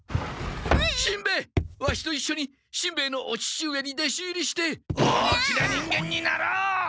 しんべヱワシといっしょにしんべヱのお父上に弟子入りして大きな人間になろう！